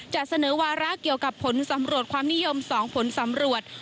จะเสนอวาระเกี่ยวกับผลสำรวจความนิยม๒ผลสำรวจ